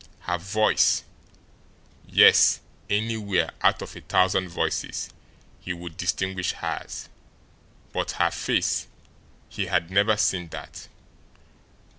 Her voice; yes, anywhere, out of a thousand voices, he would distinguish hers but her face, he had never seen that.